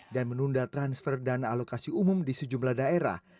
dan menunda transfer dana alokasi umum di sejumlah daerah